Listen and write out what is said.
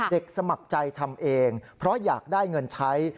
สมัครใจทำเองเพราะอยากได้เงินใช้